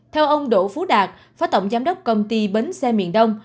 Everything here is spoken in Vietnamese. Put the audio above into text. theo ông đỗ phú đạt phó tổng giám đốc công ty bến xe miền đông